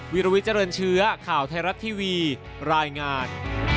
วิลวิเจริญเชื้อข่าวไทยรัฐทีวีรายงาน